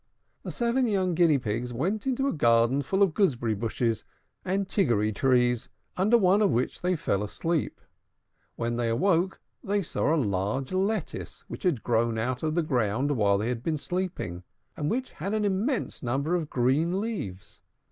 The seven young Guinea Pigs went into a garden full of goose berry bushes and tiggory trees, under one of which they fell asleep. When they awoke, they saw a large lettuce, which had grown out of the ground while they had been sleeping, and which had an immense number of green leaves.